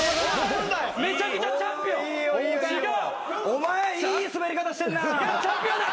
お前いいスベり方してんな。